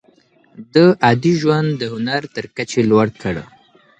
ده عادي ژوند د هنر تر کچې لوړ کړ.